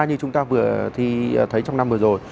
như chúng ta vừa thấy trong năm vừa rồi